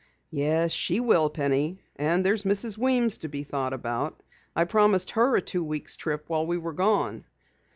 "Yes, she will, Penny. And there's Mrs. Weems to be thought about. I promised her a two weeks' trip while we were gone."